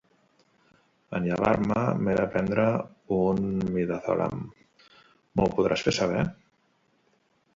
En llevar-me m'he de prendre un Midazolam, m'ho podràs fer saber?